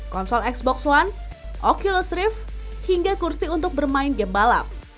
konsol xbox one okill strift hingga kursi untuk bermain game balap